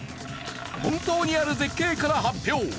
本当にある絶景から発表。